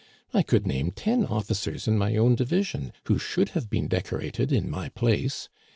I could name ten officers in my own division who should have been decorated in my place.